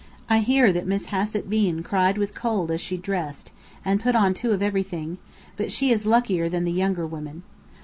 I hear that Miss Hassett Bean cried with cold as she dressed, and put on two of everything; but she is luckier than the younger women.